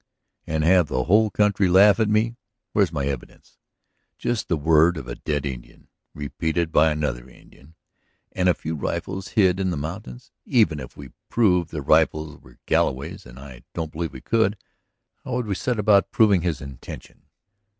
"And have the whole country laugh at me? Where's my evidence? Just the word of a dead Indian, repeated by another Indian, and a few rifles hid in the mountains? Even if we proved the rifles were Galloway's, and I don't believe we could, how would we set about proving his intention?